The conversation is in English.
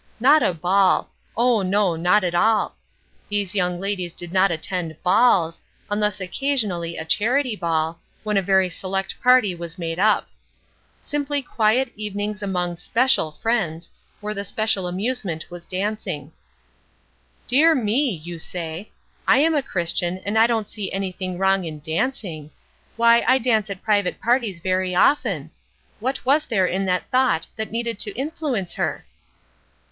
Not a ball! oh, no, not at all. These young ladies did not attend balls, unless occasionally a charity ball, when a very select party was made up. Simply quiet evenings among special friends, where the special amusement was dancing. "Dear me!" you say, "I am a Christian, and I don't see anything wrong in dancing. Why, I dance at private parties very often. What was there in that thought that needed to influence her?"